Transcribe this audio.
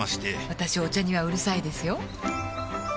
私お茶にはうるさいですよ